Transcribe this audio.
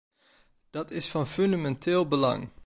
Dat is van fundamenteel belang.